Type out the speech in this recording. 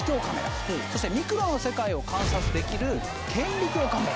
そしてミクロの世界を観察できる顕微鏡カメラ。